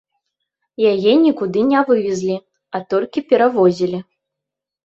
Яе нікуды не вывезлі, а толькі перавозілі.